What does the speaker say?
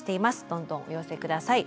どんどんお寄せ下さい。